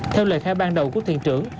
theo lời khai ban đầu của thuyền trưởng